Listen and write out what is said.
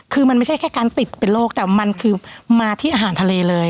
คือมันไม่ใช่แค่การติดเป็นโรคแต่มันคือมาที่อาหารทะเลเลย